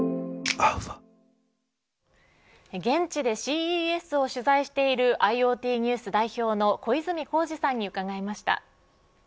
現地でＣＥＳを取材しているＩｏＴＮＥＷＳ代表の小泉耕二さんに伺いました。